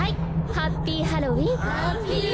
ハッピーハロウィン！